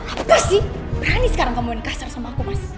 apa sih berani sekarang kamu main kasar sama aku mas